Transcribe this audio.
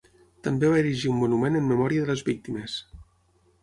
També va erigir un monument en memòria de les víctimes.